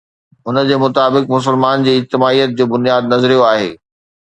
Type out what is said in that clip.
هن جي مطابق، مسلمان جي اجتماعيت جو بنياد نظريو آهي.